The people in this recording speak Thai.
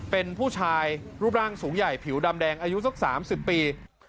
เป็นผู้ชายรูปร่างสูงใหญ่ผิวดำแดงอายุสัก๓๐ปี